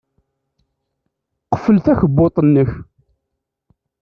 Qfel takebbuḍt-nnek.